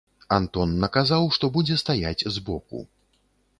Антон наказаў, што будзе стаяць з боку.